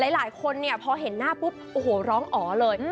หลายคนเนี่ยพอเห็นหน้าปุ๊บโอ้โหร้องอ๋อเลย